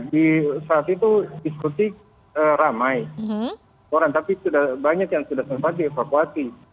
di saat itu diskusi ramai orang tapi sudah banyak yang sudah sempat dievakuasi